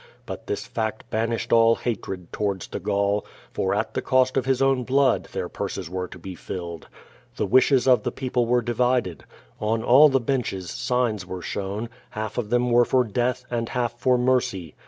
But this fact banished all hatred towards the Gaul, for, at the cost of his own blood, their purses were to be filled. The wishes of th ^ people were divided. On all the benches signs were shown; half of them were for death and half for mercy.